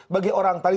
bagi orang tadi